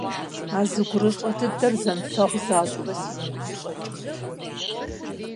А зы гурыщӀэ дыдэр зэмыфэгъу защӀэурэ си нэгум щӀэкӀырт.